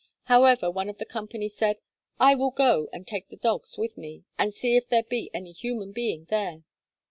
However, one of the company said, 'I will go, and take the dogs with me, and see if there be any human being there.'